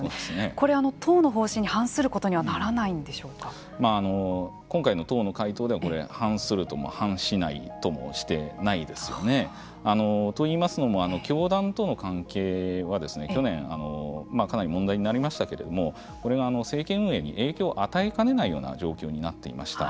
これ党の方針に反することには今回の党の回答では反するとも、反しないともしていないですよね。といいますのも教団との関係は去年、かなり問題になりましたけれどもこれが政権運営に影響を与えかねないような状況になっていました。